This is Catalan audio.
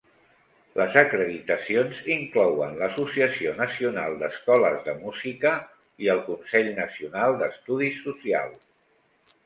Les acreditacions inclouen l'Associació Nacional d'Escoles de Música i el Consell Nacional d'Estudis Socials.